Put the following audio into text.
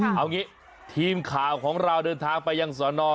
เอางี้ทีมข่าวของเราเดินทางไปยังสอนอ